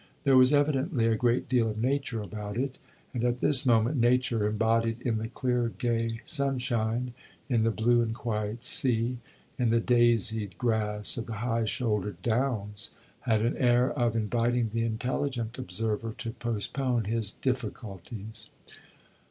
There was evidently a great deal of nature about it, and at this moment, nature, embodied in the clear, gay sunshine, in the blue and quiet sea, in the daisied grass of the high shouldered downs, had an air of inviting the intelligent observer to postpone his difficulties.